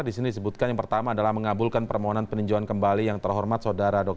di sini disebutkan yang pertama adalah mengabulkan permohonan peninjauan kembali yang terhormat saudara